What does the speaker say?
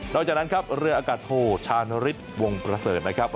หลังจากนั้นครับเรืออากาศโทชานฤทธิ์วงประเสริฐนะครับ